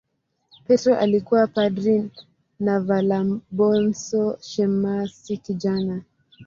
Petro alikuwa padri na Valabonso shemasi kijana.